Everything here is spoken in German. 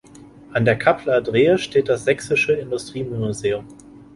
An der "Kappler Drehe" steht das „Sächsische Industriemuseum“.